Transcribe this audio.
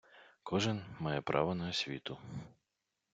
Кожен має право на освіту.